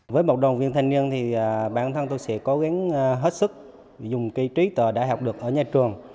với một đồng viên thanh niên thì bản thân tôi sẽ cố gắng hết sức dùng kỹ trí tờ đã học được ở nhà trường